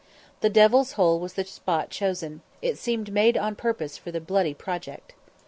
The Devil's Hole was the spot chosen it seemed made on purpose for the bloody project.